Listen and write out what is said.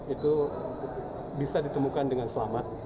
itu bisa ditemukan dengan selamat